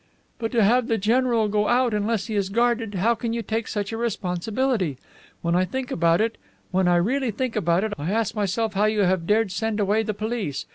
"But to have the general go out, unless he is guarded how can you take such a responsibility? When I think about it, when I really think about it, I ask myself how you have dared send away the police.